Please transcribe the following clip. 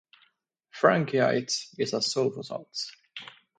Franckeite is a sulfosalt.